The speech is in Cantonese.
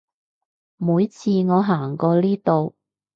每次我行過呢度